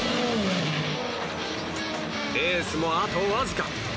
レースもあとわずか。